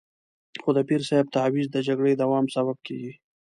خو د پیر صاحب تعویض د جګړې دوام سبب کېږي.